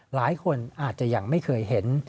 หลายคนอาจจะยังไม่เคยเห็น